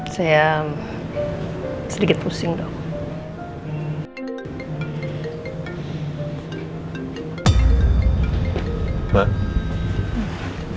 saya sedikit pusing dong